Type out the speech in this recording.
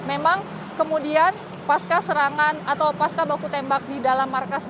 memang kemudian pasca serangan atau pasca baku tembak di dalam markas